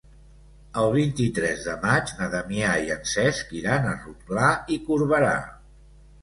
El vint-i-tres de maig na Damià i en Cesc iran a Rotglà i Corberà.